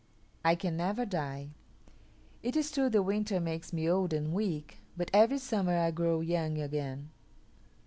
I can never die. It is true the winter makes me old and weak, but every summer I grow young again.